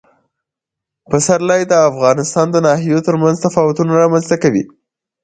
پسرلی د افغانستان د ناحیو ترمنځ تفاوتونه رامنځ ته کوي.